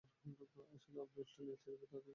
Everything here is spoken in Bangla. আসলেই আপনি অস্ট্রেলিয়ার সেলিব্রিটি হতে চান?